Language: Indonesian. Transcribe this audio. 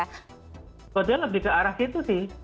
kebetulan lebih ke arah situ sih